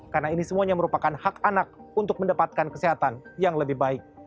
karena ini semuanya merupakan hak anak untuk mendapatkan kesehatan yang lebih baik